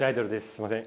すいません